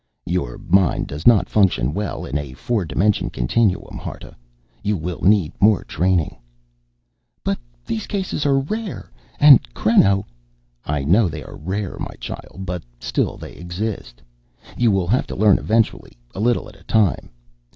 "Your mind does not function well in a four dimension continuum, Harta. You will need more training " "But these cases are rare, and, Creno " "I know they are rare, my child. But still they exist. You will have to learn eventually, a little at a time.